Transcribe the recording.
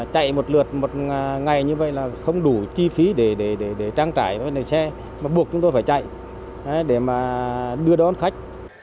chạy một lượt một ngày như vậy là không đủ chi phí để trang trải xe mà buộc chúng tôi phải chạy để đưa đón khách